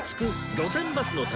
路線バスの旅』